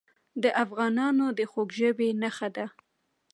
د افغانانو د خوږ ژبۍ نښه ده.